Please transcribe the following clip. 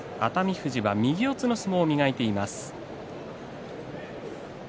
富士は右四つの相撲を磨いています。